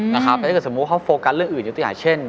แต่ถ้าสมมุติว่าเขาโฟกันเรื่องอื่นอย่างตัวอย่างเช่น